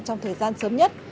trong thời gian sớm nhất